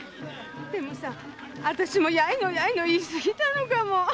でもあたしもやいのやいの言い過ぎたのかも。